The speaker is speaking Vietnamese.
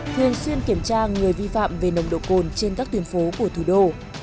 thường xuyên kiểm tra người vi phạm về nồng độ cồn trên các tuyến phố của thủ đô